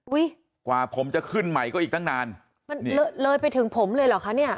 กว่าผมจะขึ้นใหม่ก็อีกตั้งนานมันเลยไปถึงผมเลยเหรอคะเนี่ย